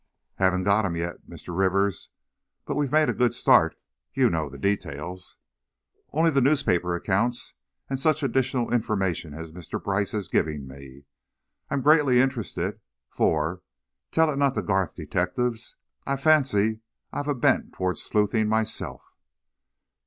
"Haven't got him yet, Mr. Rivers, but we've made a good start. You know the details?" "Only the newspaper accounts, and such additional information as Mr. Brice has given me. I'm greatly interested, for, tell it not to Gath detectives, I fancy I've a bent toward sleuthing myself."